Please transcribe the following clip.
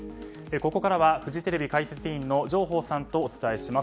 ここからはフジテレビ解説委員の上法さんとお伝えします。